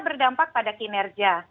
berdampak pada kinerja